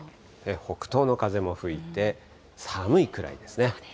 北東の風も吹いて、寒いくらいですね。